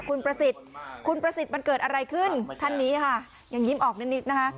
คุณปฏิสิทธิ์มันเกิดอะไรขึ้นท่านนี้ค่ะยิ้มออกเล่นนิดนะฮะ